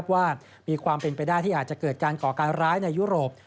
ว่ามีความเป็นไปได้ที่อาจจะเกิดการก่อการร้ายในยุโรป